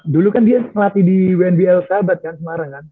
dulu kan dia melatih di wnbl sahabat kan semarang kan